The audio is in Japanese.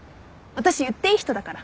私言っていい人だから。